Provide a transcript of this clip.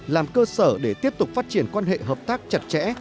làm cơ sở để tiếp tục phát triển quan hệ hợp tác chặt chẽ